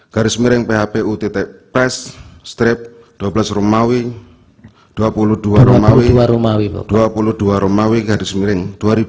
garis miring ph u t t p strip dua belas romawi dua puluh dua romawi garis miring dua ribu dua puluh empat